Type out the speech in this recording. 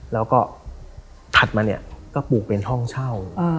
แล้วก็ถัดมาเนี่ยก็ปลูกเป็นห้องเช่า